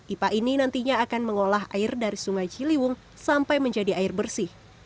ipa ini nantinya akan mengolah air dari sungai ciliwung sampai menjadi air bersih